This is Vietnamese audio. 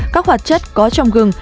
các hoạt chất có trong gừng